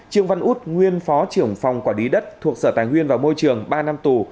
trương văn út nguyên phó trưởng phòng quản lý đất thuộc sở tài nguyên và môi trường ba năm tù